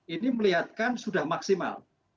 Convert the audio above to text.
ini melihatkan sudah maksimal